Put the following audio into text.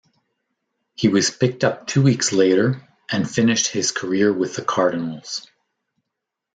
He was picked up two weeks later and finished his career with the Cardinals.